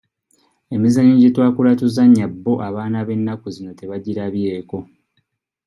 Emizannyo gye twakula tuzannya bbo abaana b'ennaku zino tebagirabyeko.